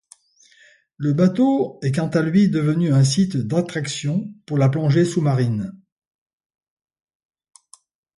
Le bateau est quant à lui devenu un site d'attraction pour la plongée sous-marine.